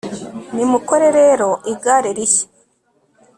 nimukore rero igare rishya